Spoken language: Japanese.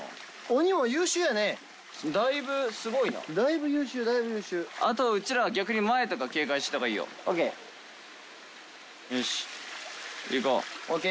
鬼も優秀やねだいぶすごいなだいぶ優秀だいぶ優秀あとうちらは逆に前とか警戒してた方がいいよ・ＯＫよしいこう